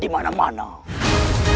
ridu raden surawisesa